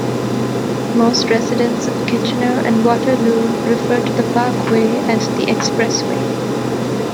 Most residents of Kitchener and Waterloo refer to the parkway as "The Expressway".